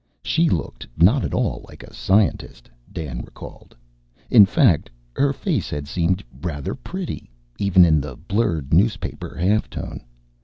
She looked not at all like a scientist, Dan recalled. In fact, her face had seemed rather pretty, even in the blurred newspaper half tone.